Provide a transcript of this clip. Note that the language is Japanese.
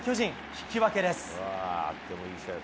引き分けです。